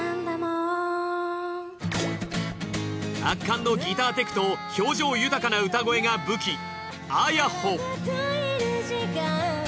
圧巻のギターテクと表情豊かな歌声が武器。